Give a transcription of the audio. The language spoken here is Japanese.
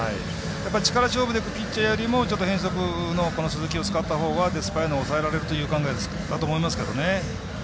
力勝負でいくピッチャーよりも変則の鈴木を使ったほうがデスパイネを抑えられるという考えだと思いますけどね。